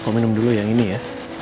kau minum dulu yang ini ya